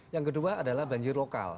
yang kedua adalah banjir lokal